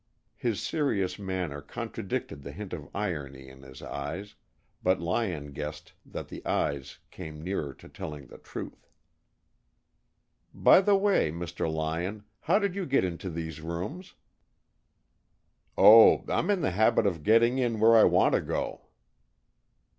His serious manner contradicted the hint of irony in his eyes, but Lyon guessed that the eyes came nearer to telling the truth. "By the way, Mr. Lyon, how did you get into these rooms?" "Oh, I'm in the habit of getting in where I want to go."